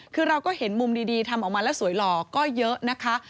คือเราก็เห็นมุมดีทำออกมาแล้วสวยหล่อก็เยอะนะคะ